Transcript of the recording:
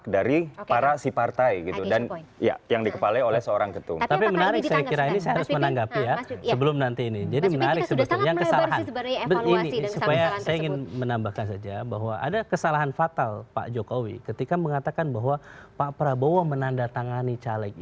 di para pendukung tatiokowi